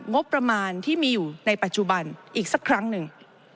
งบประมาณที่มีอยู่ในปัจจุบันอีกสักครั้งหนึ่ง